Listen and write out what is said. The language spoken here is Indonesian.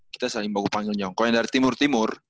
kita saling panggil njong kalau yang dari timur timur